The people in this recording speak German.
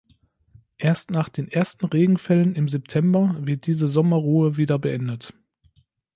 Erst nach den ersten Regenfällen im September wird diese Sommerruhe wieder beendet.